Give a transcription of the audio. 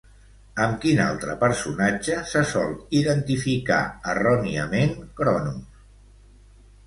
Amb quin altre personatge se sol identificar erròniament Chronos?